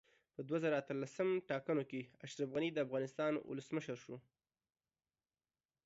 په دوه زره اتلسم ټاکنو کې اشرف غني دا افغانستان اولسمشر شو